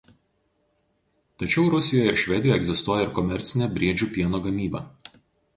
Tačiau Rusijoje ir Švedijoje egzistuoja ir komercinė briedžių pieno gamyba.